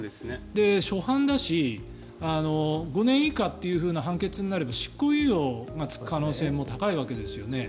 初犯だし５年以下というふうな判決になれば執行猶予がつく可能性も高いわけですよね。